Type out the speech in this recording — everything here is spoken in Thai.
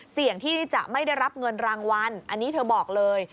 เสี่ยงที่จะไม่ได้รับเงินรางวัลอันนี้เธอบอกเลย